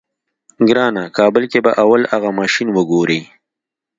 ګرانه کابل کې به اول اغه ماشين وګورې.